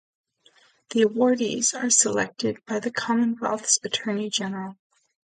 The awardees are selected by the Commonwealth's Attorney General.